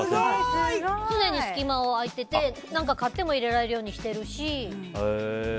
常に隙間が空いていて何かを買っても入れられるようにしてるし。